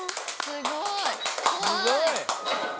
すごい！